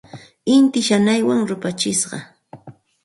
Inti shanaywan rupachishqa.